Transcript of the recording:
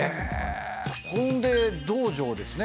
ほんで道場ですね